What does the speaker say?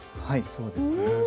はいそうですね。